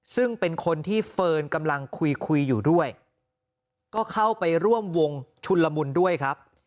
ซึ่งเป็นคนที่เฟิร์นกำลังคุยคุยอยู่ด้วยก็เข้าไปร่วมวงชุนละมุนด้วยครับ